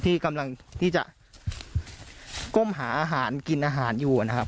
ที่กำลังที่จะก้มหาอาหารกินอาหารอยู่นะครับ